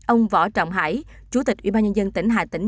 ông võ trọng hải chủ tịch ủy ban nhân dân tỉnh hà tĩnh